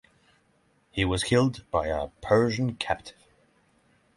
He was killed by a Persian captive.